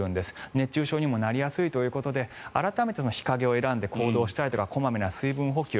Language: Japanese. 熱中症にもなりやすいということで改めて日陰を選んで行動したりとか小まめな水分補給